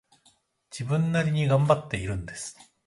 自分なりに頑張っているんです